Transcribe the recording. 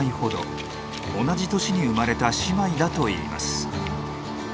同じ年に生まれた姉妹だといいます。